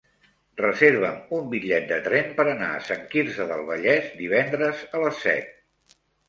Reserva'm un bitllet de tren per anar a Sant Quirze del Vallès divendres a les set.